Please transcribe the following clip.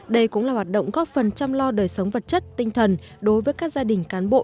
đây cũng là hoạt động góp phần chăm lo đời sống vật chất tinh thần đối với các gia đình cán bộ